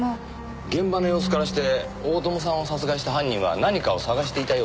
現場の様子からして大友さんを殺害した犯人は何かを探していたようなんです。